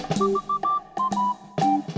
kita bisa membantu